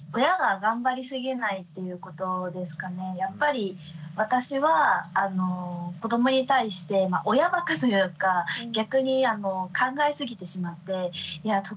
やっぱり私は子どもに対して親ばかというか逆に考えすぎてしまっていや得意な